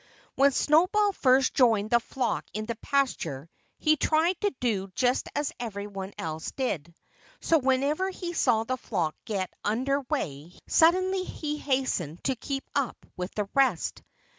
When Snowball first joined the flock in the pasture he tried to do just as every one else did. So whenever he saw the flock get under way suddenly he hastened to keep up with the rest.